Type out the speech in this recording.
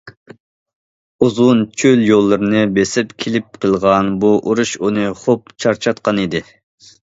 ئۇزۇن چۆل يوللىرىنى بېسىپ كېلىپ قىلغان بۇ ئۇرۇش ئۇنى خوپ چارچاتقانىدى.